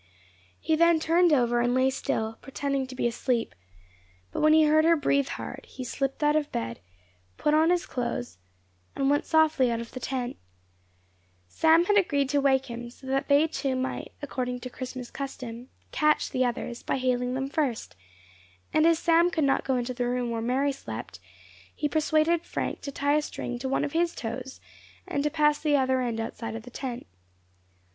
He then turned over, and lay still, pretending to be asleep; but when he heard her breathe hard, he slipped out of bed, put on his clothes, and went softly out of the tent. Sam had agreed to wake him, so that they two might, according to Christmas custom, "catch" the others, by hailing them first; and as Sam could not go into the room where Mary slept, he persuaded Frank to tie a string to one of his toes, and to pass the other end outside of the tent.